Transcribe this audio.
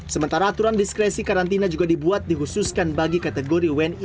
sementara aturan diskresi karantina juga dibuat dikhususkan bagi kategori wni